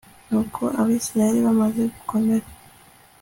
nuko abayisraheli bamaze gukomera